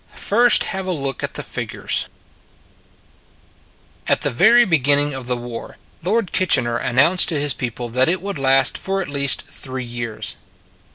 FIRST HAVE A LOOK AT THE FIGURES AT the very beginning of the war Lord Kitchener announced to his people that it would last for at least three years.